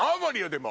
でも。